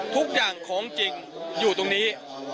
ทุกอย่างของจริงอยู่ตรงนี้